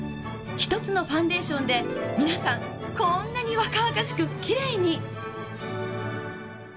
１つのファンデーションで皆さんこんなに若々しくきれいに。